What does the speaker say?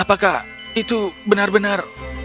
apakah itu benar benar